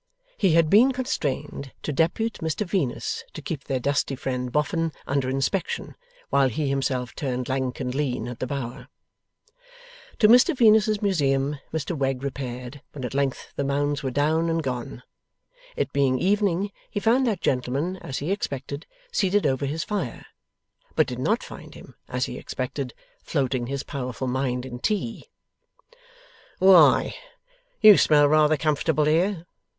He had been constrained to depute Mr Venus to keep their dusty friend, Boffin, under inspection, while he himself turned lank and lean at the Bower. To Mr Venus's museum Mr Wegg repaired when at length the Mounds were down and gone. It being evening, he found that gentleman, as he expected, seated over his fire; but did not find him, as he expected, floating his powerful mind in tea. 'Why, you smell rather comfortable here!